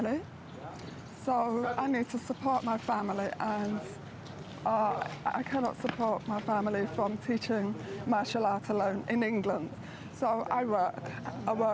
untuk saya saya mulai mendapat hasil